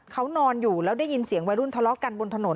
เขานอนอยู่แล้วได้ยินเสียงวัยรุ่นทะเลาะกันบนถนน